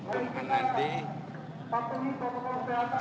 jumat nanti jam sembilan pagi